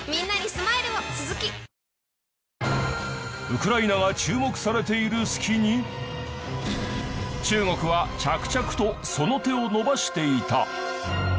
ウクライナが注目されている隙に中国は着々とその手を伸ばしていた。